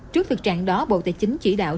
trước thực trạng đó bộ tài chính chỉ đạo